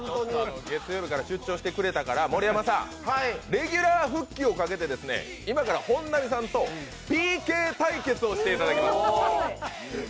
月曜日から出張してくれたから、レギュラー復帰をかけて今から本並さんとＰＫ対決をしていただきます。